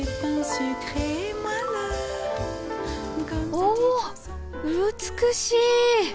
お美しい！